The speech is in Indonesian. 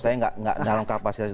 saya nggak dalam kapasitas itu